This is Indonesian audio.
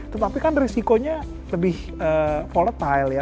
tetapi kan risikonya lebih volatile ya